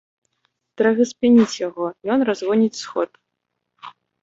Трэба спыніць яго, ён разгоніць сход.